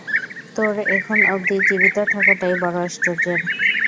তোর এখন অব্ধি জীবিত থাকাটাই বড়ো আশ্চর্যের।